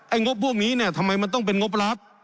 งบพวกนี้เนี่ยทำไมมันต้องเป็นงบรับ